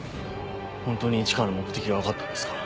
本当に市川の目的が分かったんですか？